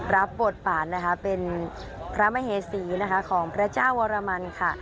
รับบทผ่านเป็นพระมเหสีของพระเจ้าวรมันค่ะ